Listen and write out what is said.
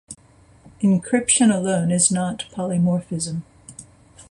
Encryption alone is not polymorphism.